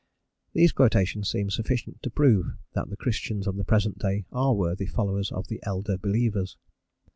These quotations seem sufficient to prove that the Christians of the present day are worthy followers of the elder believers.